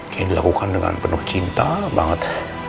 kayak dilakukan dengan penuh cinta banget